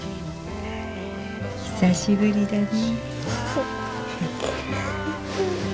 久しぶりだね。